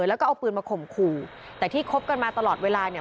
แล้วก็เอาปืนมาข่มขู่แต่ที่คบกันมาตลอดเวลาเนี่ย